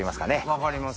分かります。